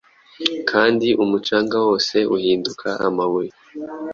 Kandi umucanga wose uhinduka amabuye